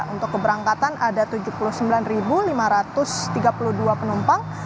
untuk keberangkatan ada tujuh puluh sembilan lima ratus tiga puluh dua penumpang